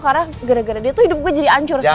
karena gara gara dia tuh hidup gue jadi ancur sekarang